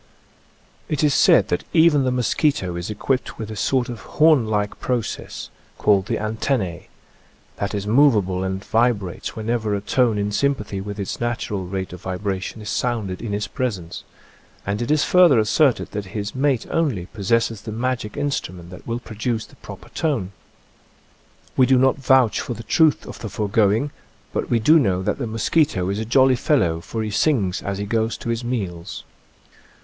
It is said that even the mosquito is equipped with a sort of horn like process, called the Antennas, that is movable and vi brates whenever a tone in sympathy with its natural rate of vibration is sounded in his presence, and it is further asserted that his {^\, Original from :{<~ UNIVERSITY OF WISCONSIN SounD*Xanguafle, 107 mate only possesses the magic instrument that will produce the proper tone. We do not vouch for the truth of the foregoing, but we do know that the mosquito is a jolly fellow, for he sings as he goes to his meals.